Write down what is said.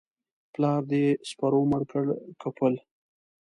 پلار دي سپرو مړ کى که پل؟